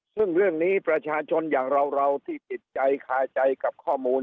ซึ่งเรื่องนี้ประชาชนอย่างเราที่ติดใจคาใจกับข้อมูล